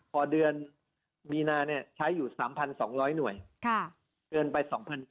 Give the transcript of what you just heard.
พอเดือนมีนาใช้อยู่๓๒๐๐หน่วยเกินไป๒๗๐